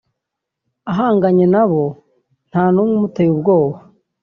ahanganye nabo nta n’umwe umuteye ubwoba